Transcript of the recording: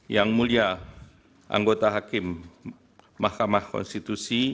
yang mulia anggota hakim mahkamah konstitusi